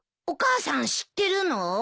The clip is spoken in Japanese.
お母さん知ってるの？